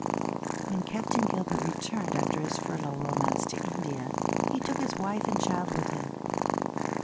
When Captain Gilbert returned, after his furlough romance, to India, he took his wife and child with him.